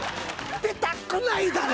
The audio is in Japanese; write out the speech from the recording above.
出たくないだろ？